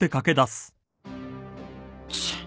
チッ。